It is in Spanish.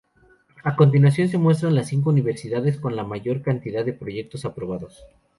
A continuación se muestran las cinco Universidades con la mayor cantidad de proyectos aprobados.